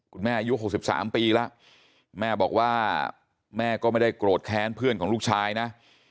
อายุ๖๓ปีแล้วแม่บอกว่าแม่ก็ไม่ได้โกรธแค้นเพื่อนของลูกชายนะ